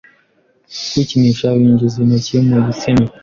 Kwininisha binjiza intoki mu gitsina